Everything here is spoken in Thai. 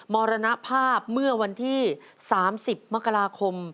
มรณภาพเมื่อวันที่๓๐มกราคม